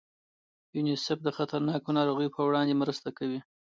یونیسف د خطرناکو ناروغیو په وړاندې مرسته کوي.